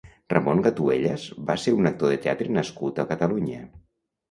Ramón Gatuellas va ser un actor de teatre nascut a Catalunya.